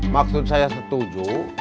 maksud saya setuju